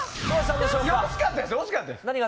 惜しかったですよ。